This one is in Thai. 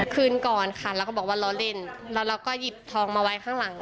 คืนก่อนค่ะเราก็บอกว่าล้อเล่นแล้วเราก็หยิบทองมาไว้ข้างหลัง